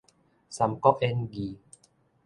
三國演義